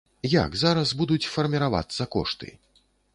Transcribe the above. Як зараз будуць фарміравацца кошты?